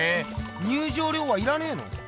入場料はいらねえの？